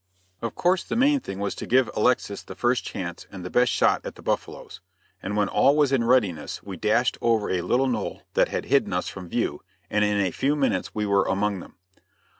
Of course the main thing was to give Alexis the first chance and the best shot at the buffaloes, and when all was in readiness we dashed over a little knoll that had hidden us from view, and in a few minutes we were among them.